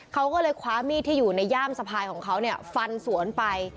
เขาก็เลยคว้ามีดที่อยู่ในย่ามสะพายของเขาเนี่ยฟันสวนไป